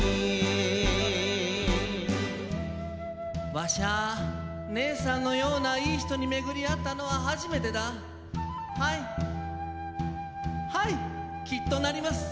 「わしゃア姐さんのようないい人に、めぐりったのは初めてだ、はい、はい、きっと成ります。